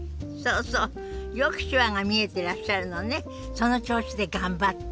その調子で頑張って。